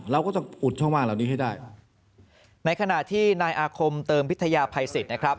เราก็ต้องอุดช่องว่างเหล่านี้ให้ได้ในขณะที่นายอาคมเติมพิทยาภัยสิทธิ์นะครับ